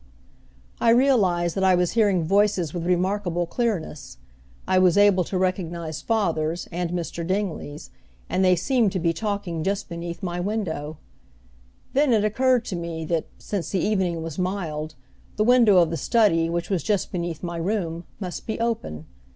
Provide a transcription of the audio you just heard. I realized that I was hearing voices with remarkable clearness. I was able to recognize father's and Mr. Dingley's, and they seemed to be talking just beneath my window. Then it occurred to me that, since the evening was mild, the window of the study, which was just beneath my room, must be open.